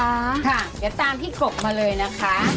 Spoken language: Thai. ค่ะเดี๋ยวตามพี่กบมาเลยนะคะ